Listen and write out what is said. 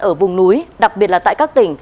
ở vùng núi đặc biệt là tại các tỉnh